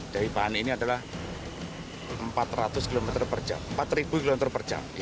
dari bahan ini adalah empat ratus km per jam empat km per jam